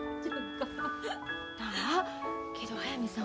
なあけど速水さん